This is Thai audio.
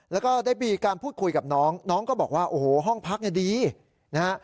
แล้วก็ได้มีการพูดคุยกับน้องน้องก็บอกว่าโอ้โหห้องพักเนี่ยดีนะฮะ